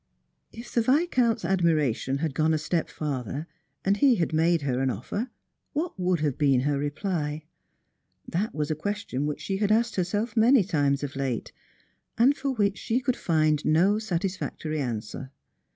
If the Viscount's admiration had gone a step farther, and he had made her an offer, what would have been her reply ? That was a question which she had asked herself many times of late, and for which she could find no satisfactory answer.